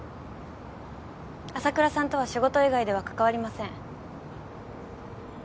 麻倉さんとは仕事以外では関わりません。